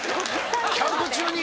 キャンプ中に？